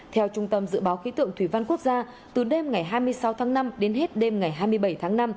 theo trung tâm dự báo khí tượng thủy văn quốc gia từ đêm ngày hai mươi sáu tháng năm đến hết đêm ngày hai mươi bảy tháng năm